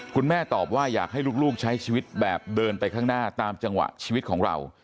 คุณแม่ตอบว่าอยากให้ลูกใช้ชีวิตแบบเดินไปข้างหน้าตามจังหวะชีวิตของเรา